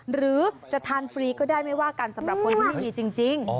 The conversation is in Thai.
หรือจะทานฟรีก็ได้ไม่ว่ากันสำหรับคนที่ไม่มีจริง